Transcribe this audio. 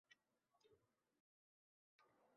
Shungayam shukr qildim